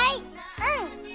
うん！